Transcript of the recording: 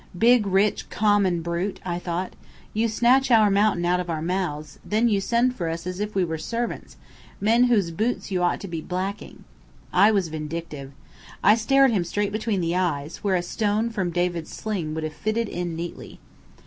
"Big, rich, common brute!" I thought. "You snatch our mountain out of our mouths, and then you send for us as if we were servants men whose boots you ought to be blacking!" I was vindictive. I stared him straight between the eyes where a stone from David's sling would have fitted in neatly.